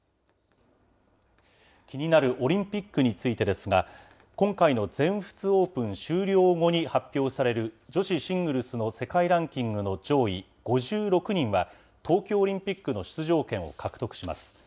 気になるオリンピックについてですが、今回の全仏オープン終了後に発表される、女子シングルスの世界ランキングの上位５６人は、東京オリンピックの出場権を獲得します。